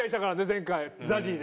前回ＺＡＺＹで。